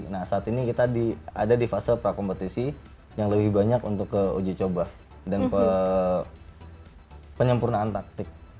nah saat ini kita ada di fase prakompetisi yang lebih banyak untuk ke uji coba dan penyempurnaan taktik